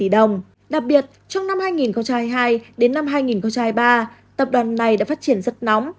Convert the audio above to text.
đặc biệt trong năm hai nghìn hai mươi hai đến năm hai nghìn hai mươi ba tập đoàn này đã phát triển rất nóng